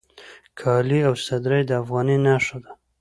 کالي او صدرۍ د افغاني نښه ده